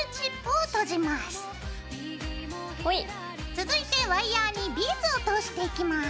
続いてワイヤーにビーズを通していきます。